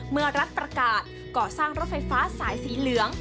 เมื่อรัฐประกาศก่อสร้างรถไฟฟ้าสายสีเหลือง